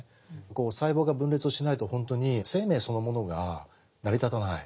細胞が分裂をしないと本当に生命そのものが成り立たない。